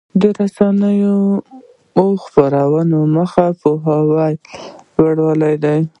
د رسنیو د خپرونو موخه د پوهاوي لوړول دي.